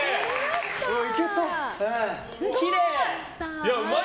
きれい！